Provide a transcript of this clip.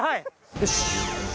よし。